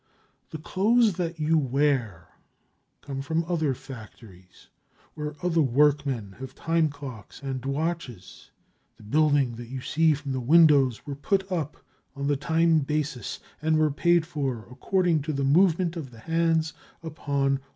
The clothes that you wear come from other factories where other workmen have time clocks and watches. The buildings that you see from the windows were put up on the time basis and were paid for according to the movement of the hands upon watch dials.